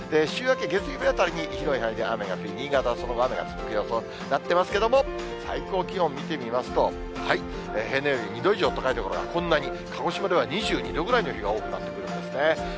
週明け月曜日あたりに広い範囲で雨が降り、新潟はその後、雨が続く予想になってますけれども、最高気温見てみますと、平年より２度以上高い所がこんなに、鹿児島では２２度ぐらいの日が多くなってくるんですね。